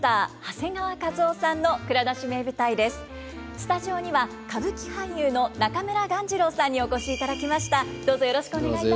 スタジオには歌舞伎俳優の中村鴈治郎さんにお越しいただきました。